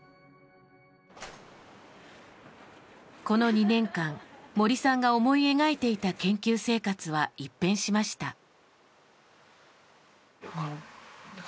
この２年間森さんが思い描いていた研究生活は一変しました。